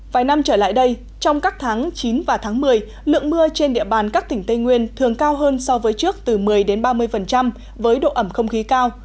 vài năm trở lại đây trong các tháng chín và tháng một mươi lượng mưa trên địa bàn các tỉnh tây nguyên thường cao hơn so với trước từ một mươi ba mươi với độ ẩm không khí cao